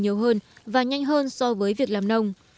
nhiều hơn và nhanh hơn so với việc làm nông